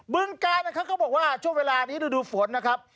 ึงกาลนะครับเขาบอกว่าช่วงเวลานี้ฤดูฝนนะครับ